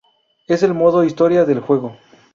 Es el modo historia del juego.